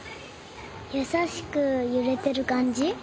やさしくゆれてるかんじ？